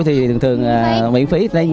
thì thường thường miễn phí